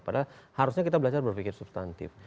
padahal harusnya kita belajar berpikir substantif